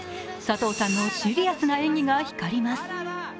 佐藤さんのシリアスな演技が光ります。